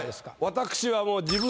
私はもう。